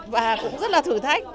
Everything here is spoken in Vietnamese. và cũng rất là thử thách